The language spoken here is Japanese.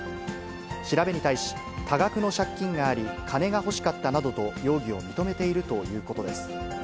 調べに対し、多額の借金があり、金が欲しかったなどと、容疑を認めているということです。